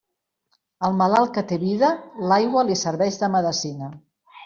Al malalt que té vida, l'aigua li serveix de medecina.